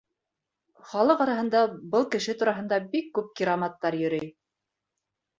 — Халыҡ араһында был кеше тураһында бик күп кираматтар йөрөй.